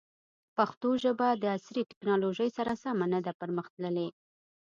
پښتو ژبه د عصري تکنالوژۍ سره سمه نه ده پرمختللې.